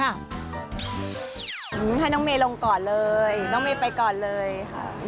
ให้น้องเมย์ลงก่อนเลยน้องเมย์ไปก่อนเลยค่ะ